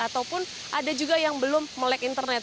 ataupun ada juga yang belum melek internet